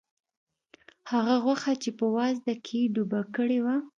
هغه غوښه چې په وازده کې یې ډوبه کړې وه.